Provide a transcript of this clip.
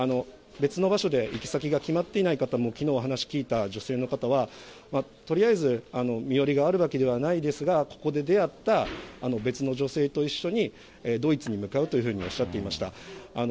別の場所で行き先が決まっていない方も、きのうお話聞いた女性の方は、とりあえず身寄りがあるわけではないですが、ここで出会った別の女性と一緒にドイツに向かうというふうにおっしゃっていました。